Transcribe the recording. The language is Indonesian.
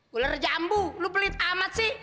guler jambu lo pelit amat sih